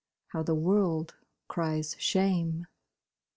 —how the world cries shame!